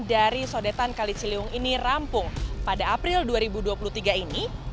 dari sodetan kali ciliwung ini rampung pada april dua ribu dua puluh tiga ini